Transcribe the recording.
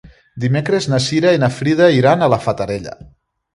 Dimecres na Cira i na Frida iran a la Fatarella.